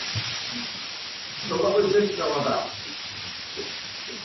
He is married to Ann Scanlon and they have six children.